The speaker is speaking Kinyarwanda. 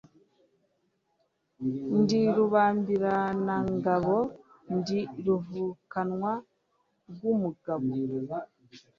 Ndi rubambiranangabo, ndi ruvukanwa rw'umugabo.